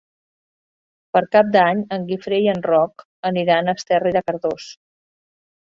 Per Cap d'Any en Guifré i en Roc aniran a Esterri de Cardós.